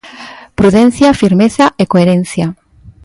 Prudencia, firmeza e coherencia.